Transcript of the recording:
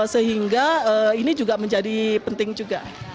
sehingga ini juga menjadi penting juga